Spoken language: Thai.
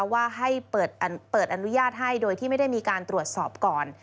ว่าให้เปิดอนุญาตให้โดยที่ไม่ได้มีการตรวจสอบก่อน